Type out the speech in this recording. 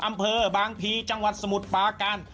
อำเภอบางภีร์จังหวัดสมุดประการ